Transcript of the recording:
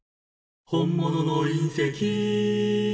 「本物の隕石！」